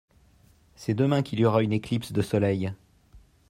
C'est demain qu'il y aura une éclipse de soleil.